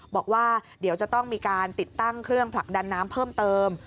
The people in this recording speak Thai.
บอกว่าเดี๋ยวจะต้องมีการติดตั้งเครื่องผลักดันน้ำเพิ่มเติม